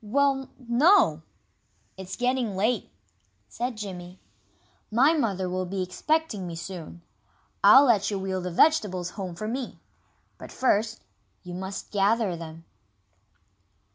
"Well no! It's getting late," said Jimmy. "My mother will be expecting me soon. I'll let you wheel the vegetables home for me. But first, you must gather them."